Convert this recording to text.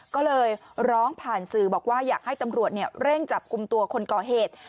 ก็เลยร้องผ่านสื่อบอกว่าอยากให้ตำรวจเร่งจับกลุ่มตัวคนก่อเหตุ